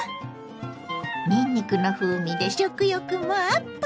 にんにくの風味で食欲もアップ！